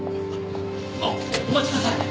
あっお待ちください！